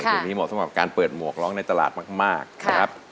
เพลงนี้เหมาะสำหรับการเปิดหมวกร้องในตลาดมากนะครับ